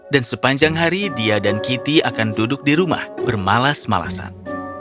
dan sepanjang hari dia dan kitty akan duduk di rumah bermalas malasan